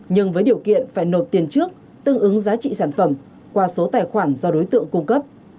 nhưng với điều kiện phải nộp tiền trước tương ứng giá trị sản phẩm qua số tài khoản do đối tượng cung cấp